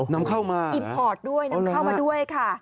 นำเข้ามาอิทพอร์ตด้วย